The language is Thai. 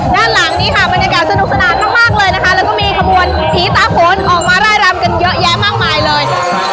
ด้านหลังนี้ค่ะบรรยากาศสนุกสนานมากเลยนะคะแล้วก็มีขบวนผีตาโขนออกมาร่ายรำกันเยอะแยะมากมายเลย